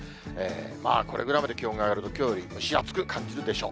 まあ、これぐらいまで気温が上がると、きょうより蒸し暑く感じるでしょう。